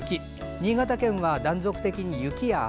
新潟県では断続的に雪や雨。